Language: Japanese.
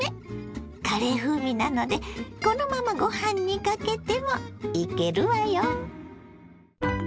カレー風味なのでこのままごはんにかけてもイケるわよ。